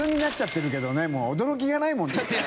もう驚きがないもんね。